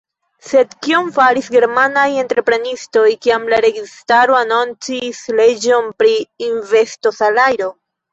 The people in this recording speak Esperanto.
Sed kion faris germanaj entreprenistoj, kiam la registaro anoncis leĝon pri investosalajro?